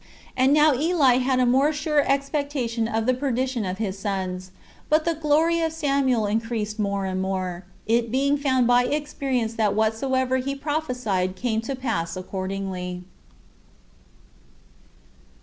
And now Eli had a far more sure expectation of the perdition of his sons; but the glory of Samuel increased more and more, it being found by experience that whatsoever he prophesied came to pass accordingly.